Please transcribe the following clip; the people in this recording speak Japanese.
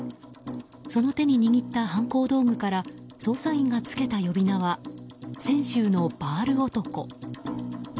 その手に握った犯行道具から捜査員がつけた呼び名は泉州のバール男。